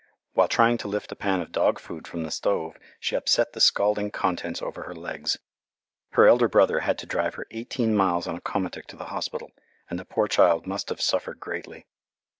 While trying to lift a pan of dog food from the stove she upset the scalding contents over her legs. Her elder brother had to drive her eighteen miles on a komatik to the hospital, and the poor child must have suffered greatly.